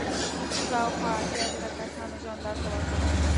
شاوخوا اتیا زره کسانو ژوند له لاسه ورکړ.